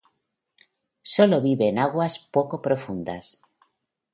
Sólo vive en aguas poco profundas.